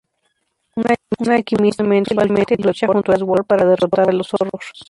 Una alquimista que usualmente lucha junto a Sword para derrotar a los "horrors".